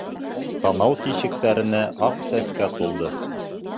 Танау тишектәренә аҡ сәскә тулды.